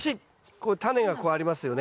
こうタネがこうありますよね。